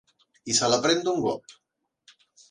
I se la pren d'un glop.